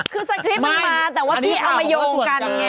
คือสัตว์คลิปมันมาแต่ว่าพี่เอามาโยงกันอย่างนี้ไง